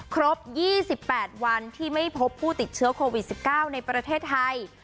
ครบ๒๘วันที่ไม่พบผู้ติดเชื้อโควิด๑๙ในประเทศไทย